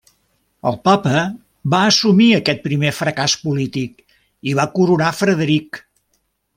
El Papa va assumir aquest primer fracàs polític i va coronar Frederic.